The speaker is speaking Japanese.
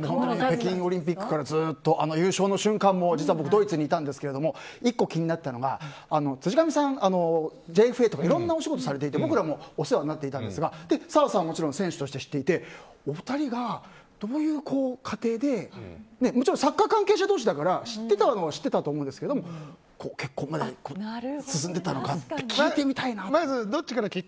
北京オリンピックからずっと優勝の瞬間も実は僕、ドイツにいたんですけど１個気になったのは辻上さん、ＪＦＡとかいろんなお仕事されていて僕らもお世話になっていたんですが澤さんはもちろん選手として知っていてお二人がどういう過程でもちろんサッカー関係者同士だから知ってたのは知ってたと思うんですけど、どうやって結婚まで進んでいったのか聞いてみたいなって。